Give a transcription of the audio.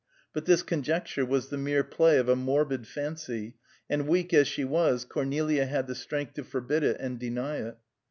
But this conjecture was the mere play of a morbid fancy, and weak as she was, Cornelia had the strength to forbid it and deny it.